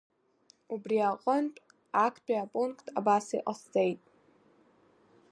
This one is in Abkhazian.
Убри аҟынтә, актәи апункт абас иҟасҵеит.